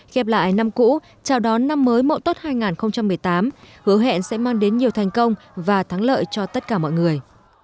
khép lại năm cũ chào đón năm mới mậu tốt hai nghìn một mươi tám hứa hẹn sẽ mang đến nhiều thành công và thắng lợi cho tất cả mọi người